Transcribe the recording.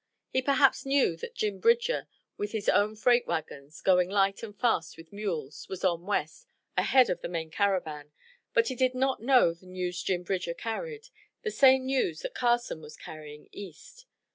He perhaps knew that Jim Bridger, with his own freight wagons, going light and fast with mules, was on west, ahead of the main caravan. But he did not know the news Jim Bridger carried, the same news that Carson was carrying east.